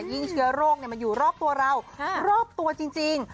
ยิ่งเชื้อโรคมันอยู่รอบตัวเรารอบตัวจริง